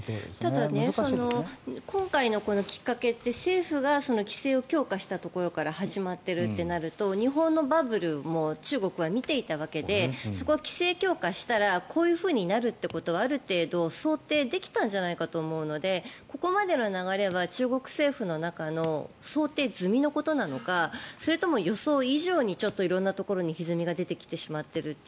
ただ、今回のきっかけって政府が規制を強化したところから始まっているってなると日本のバブルも中国は見ていたわけでそこは規制強化したらこういうふうになるということはある程度想定できたんじゃないかと思うのでここまでの流れは中国政府の中の想定済みのことなのかそれとも予想以上にちょっと色んなところにひずみが出てきてしまっているって。